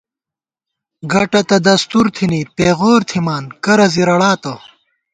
گٹہ تہ دستُور تھنی، پېغور تھِمان کرہ زِرَڑاتہ